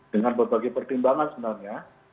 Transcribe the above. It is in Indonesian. dengan berbagai pertimbangan sebenarnya